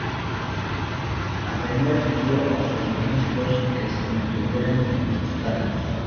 Adenauer pidió a sus ministros que se mantuvieran en sus cargos.